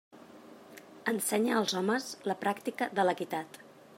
Ensenya als homes la pràctica de l'equitat.